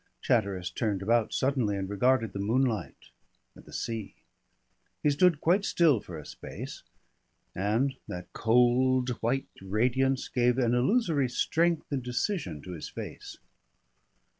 Chatteris turned about suddenly and regarded the moonlight and the sea. He stood quite still for a space, and that cold white radiance gave an illusory strength and decision to his face.